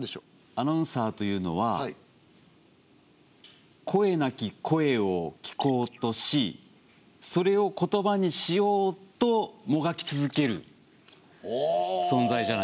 アナウンサーというのは声なき声を聞こうとしそれを言葉にしようともがき続ける存在じゃないかなと。